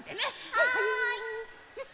はい！